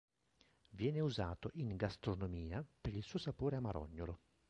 Viene usato in gastronomia per il suo sapore amarognolo.